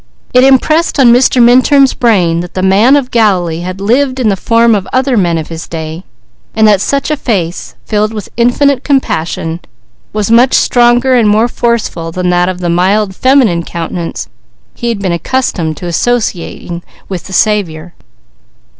It impressed on Mr. Minturn's brain that the man of Galilee had lived in the form of other men of his day, and that such a face, filled with infinite compassion, was much stronger and more forceful than that of the mild feminine countenance he had been accustomed to associating with the Saviour.